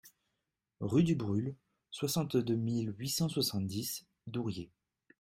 Rue Dubrulle, soixante-deux mille huit cent soixante-dix Douriez